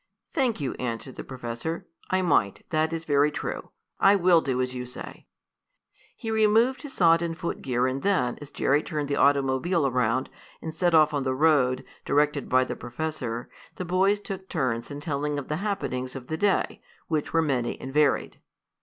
"Thank you," answered the professor. "I might, that is very true. I will do as you say." He removed his sodden foot gear and then, as Jerry turned the automobile around, and set off on the road, directed by the professor, the boys took turns in telling of the happenings of the day, which were many and varied.